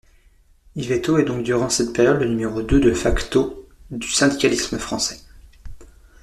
Yvetot est donc durant cette période le numéro deux de facto du syndicalisme français.